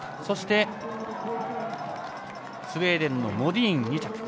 そして、スウェーデンのモディーンが２着。